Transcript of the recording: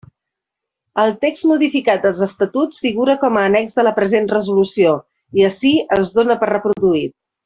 El text modificat dels Estatuts figura com a annex de la present resolució, i ací es dóna per reproduït.